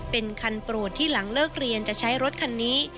เป็นคันโปรดที่หลังเลิกเรียนจะใช้รถคันนี้